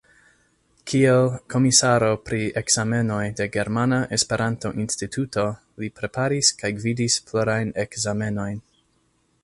Kiel komisaro pri ekzamenoj de Germana Esperanto-Instituto li preparis kaj gvidis plurajn ekzamenojn.